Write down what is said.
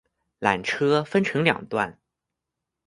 缆车分成两段